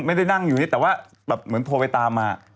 ไม่ได้นั่งอยู่นี่แต่ว่าแบบเหมือนโทรไปตามมา